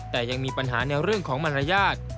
แต่ยังมีปัญหาในเรื่องของมารยาท